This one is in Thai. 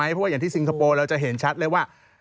เพราะว่าอย่างที่ซิงคโปร์เราจะเห็นชัดเลยว่า